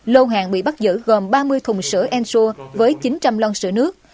lô sữa ensure với chín trăm linh lông sữa nước